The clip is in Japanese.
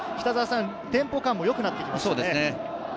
テンポ感も良くなってきましたね。